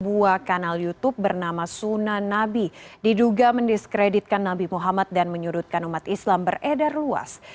sebuah kanal youtube bernama suna nabi diduga mendiskreditkan nabi muhammad dan menyudutkan umat islam beredar luas